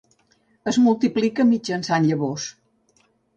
Es multiplica mitjançant llavors.